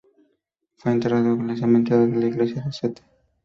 Fue enterrado en el Cementerio de la iglesia de St.